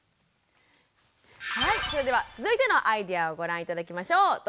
はいそれでは続いてのアイデアをご覧頂きましょう。